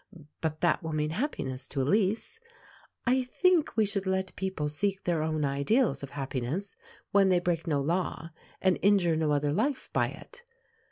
But that will mean happiness to Elise. I think we should let people seek their own ideals of happiness, when they break no law, and injure no other life by it.